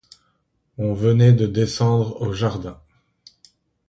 On venait de descendre au jardin.